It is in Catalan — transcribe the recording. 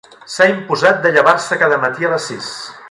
S'ha imposat de llevar-se cada matí a les sis.